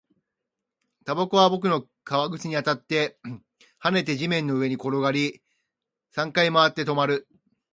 タバコは僕の革靴に当たって、跳ねて、地面の上に転がり、三回回って、止まる